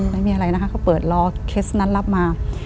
ไม่มีอะไรนะคะเขาเปิดรอเคสนั้นรับมา